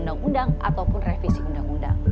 undang undang ataupun revisi undang undang